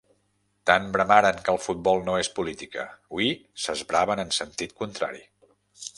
Tant bramaren que el futbol no és política, hui s'esbraven en sentit contrari...